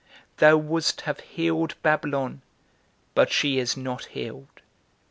_Thou wouldst have healed Babylon, but she is not healed.